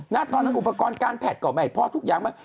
น่ะตอนนั้นอุปกรณ์การแพทย์ก่อนใหม่เพราะว่าทุกอย่างไม่